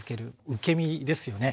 受け身ですよね。